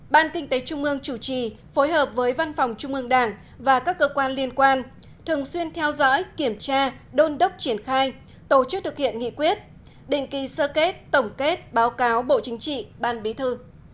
ban kinh tế trung ương chủ trì phối hợp với văn phòng trung ương đảng và các cơ quan liên quan thường xuyên theo dõi kiểm tra đôn đốc triển khai tổ chức thực hiện nghị quyết định kỳ sơ kết tổng kết báo cáo bộ chính trị ban bí thư